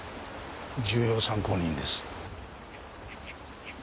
重要参考人です。